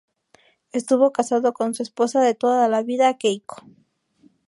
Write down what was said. Estuvo casado con su esposa de toda la vida Keiko.